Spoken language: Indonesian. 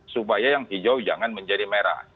supaya yang hijau jangan menjadi merah